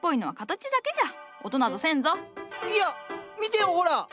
いや見てよほら！